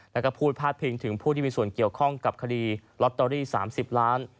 แล้วก็พูดพาดพิงถึงผู้ที่มีส่วนเกี่ยวข้องกับคดีลอตเตอรี่๓๐ล้าน